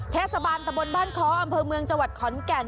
เทศบาลตะบนบ้านค้ออำเภอเมืองจังหวัดขอนแก่น